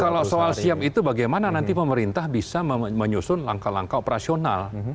kalau soal siap itu bagaimana nanti pemerintah bisa menyusun langkah langkah operasional